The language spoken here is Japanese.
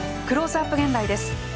クローズアップ現代です。